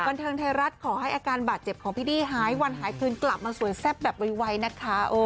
บันเทิงไทยรัฐขอให้อาการบาดเจ็บของพี่ดี้หายวันหายคืนกลับมาสวยแซ่บแบบไวนะคะ